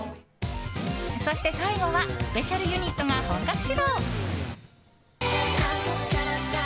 そして、最後はスペシャルユニットが本格始動。